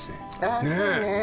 あそうね。